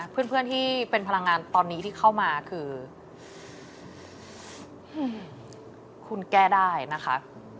เพื่อนที่เป็นพลังงานตอนนี้ที่เข้ามาคือคุณแก้ได้นะคะ